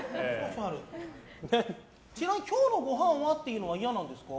ちなみに今日のごはんは？っていうのは嫌なんですか。